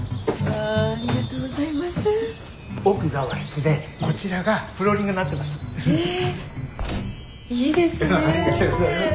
ありがとうございます。